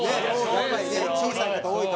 やっぱりね小さい方多いからね。